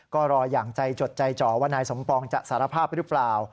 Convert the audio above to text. ก็รออย่างใจจดใจจ่อว่านายสมปองจะสารภาพหรือเปล่า